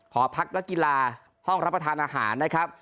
หอพักนักกีฬาห้องรับประทานอาหารนะครับ